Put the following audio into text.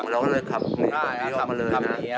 เราก็เลิกขับตรงนี้ขึ้นเข้ามาเลย